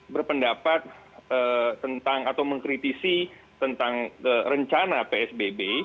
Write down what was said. berpendapat tentang atau mengkritisi tentang rencana psbb